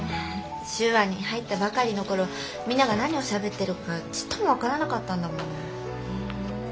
修和に入ったばかりの頃みんなが何をしゃべってるかちっとも分からなかったんだもの。